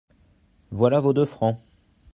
Voilà vos deux francs …'.